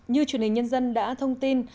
như truyền hình nhân dân đã thông tin